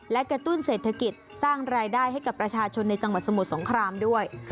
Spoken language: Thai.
และกระตุ้นเศรษฐกิจสร้างรายได้ให้กับประชาชนในจังหวัดสมุทรสงครามด้วย